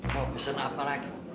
mau pesen apa lagi